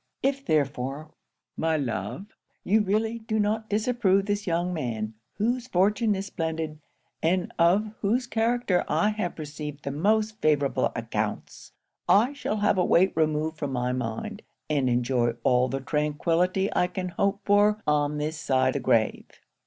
If therefore, my love, you really do not disapprove this young man, whose fortune is splendid, and of whose character I have received the most favourable accounts, I shall have a weight removed from my mind, and enjoy all the tranquillity I can hope for on this side the grave.